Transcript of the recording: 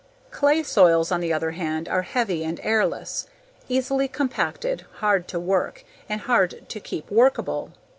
Clay soils on the other hand are heavy and airless, easily compacted, hard to work, and hard to keep workable.